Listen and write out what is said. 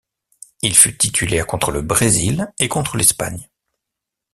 Il fut titulaire contre le Brésil et contre l'Espagne.